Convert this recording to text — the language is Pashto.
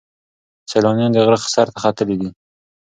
سیلانیان د غره سر ته ختلي دي.